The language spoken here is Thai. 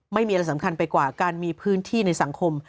ไม่มีอะไรสำคัญไปกว่าการมีพื้นที่ในสังคม